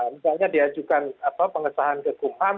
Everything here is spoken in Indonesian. misalnya diajukan apa pengesahan kegumam